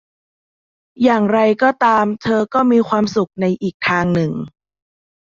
อย่างไรก็ตามเธอก็มีความสุขในอีกทางหนึ่ง